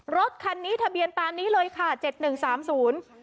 รถคันนี้ทะเบียนตามนี้เลยค่ะเจ็ดหนึ่งสามศูนย์